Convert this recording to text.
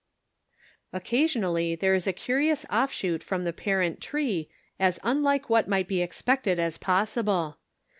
Occasionally there is a curious offshoot from the parent tree as unlike what might be ex pected as possible.